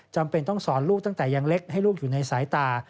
จำเป็นต้องสอนลูกตั้งแต่ยังเล็กให้ลูกอยู่ในสายตา